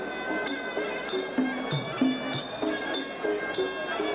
สวัสดีครับ